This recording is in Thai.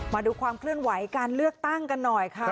มาดูความเคลื่อนไหวการเลือกตั้งกันหน่อยค่ะ